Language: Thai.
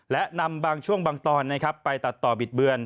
และนำบางช่วงบางตอนไปตัดต่อบิดเบือน